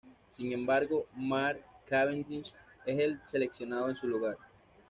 Sin embargo, Mark Cavendish es el seleccionado en su lugar.